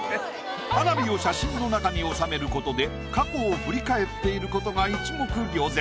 花火を写真の中に収めることで過去を振り返っていることが一目瞭然。